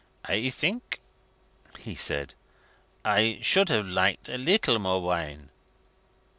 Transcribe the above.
"I think," he said, "I should have liked a little more wine."